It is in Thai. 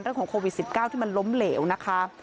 เรื่องของโควิด๑๙ที่มันล้มเหลวนะคะ